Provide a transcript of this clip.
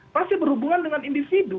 pasti berhubungan dengan individu